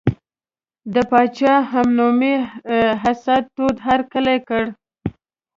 د پاچا همنومي حسن تود هرکلی وکړ.